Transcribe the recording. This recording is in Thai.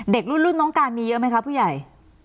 เด็กรุ่นน้องการมีเยอะไหมคะผู้ใหญ่